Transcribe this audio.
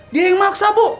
dia yang maksa bu